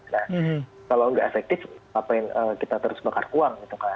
nah kalau enggak efektif apa yang kita terus bakar uang gitu kan